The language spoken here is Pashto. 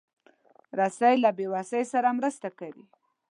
رسۍ له بېوسۍ سره مرسته کوي.